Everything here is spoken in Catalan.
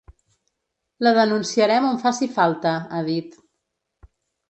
La denunciarem on faci falta, ha dit.